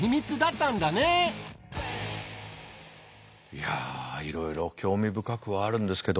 いやいろいろ興味深くはあるんですけども。